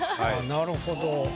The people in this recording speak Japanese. なるほど。